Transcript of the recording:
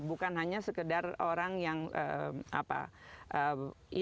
bukan hanya sekedar orang yang enough buat di lulusan